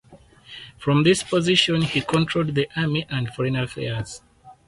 From this position he controlled the army and foreign affairs.